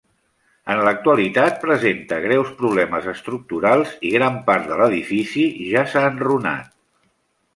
En l'actualitat, presenta greus problemes estructurals i gran part de l'edifici ja s'ha enrunat.